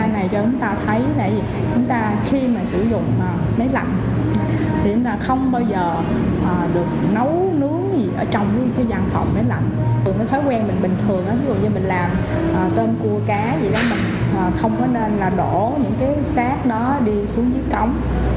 nó nên là đổ những cái xác đó đi xuống dưới cống